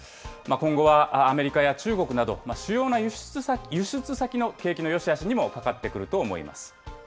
今後はアメリカや中国など、主要な輸出先の景気のよしあしにもかかってくると思います。